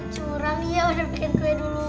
curang ya udah bikin kue duluan